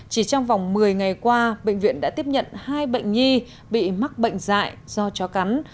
chỉ trong vòng một mươi ngày qua bệnh viện đã tiếp nhận hai bệnh nhi bị mắc bệnh dạy do chó cắn